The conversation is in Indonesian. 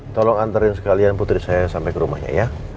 tolong anterin sekalian putri saya sampe ke rumahnya ya